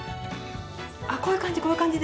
あこういう感じ